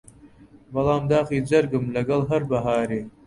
بەڵام داخی جەرگم لەگەڵ هەر بەهارێ